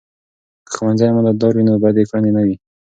که ښوونځي امانتدار وي، نو بدې کړنې نه وي.